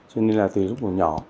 cho nên là từ lúc còn nhỏ